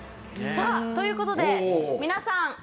さぁということで皆さん。